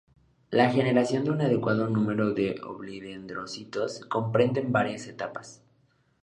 La generación de un adecuado numero de oligodendrocitos comprende varias etapas.